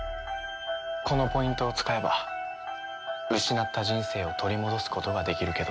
このポイントを使えば失った人生を取り戻すことができるけど。